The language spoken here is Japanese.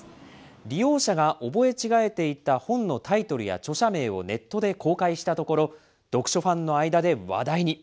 利用者が覚え違えていた本のタイトルや著者名をネットで公開したところ、読書ファンの間で話題に。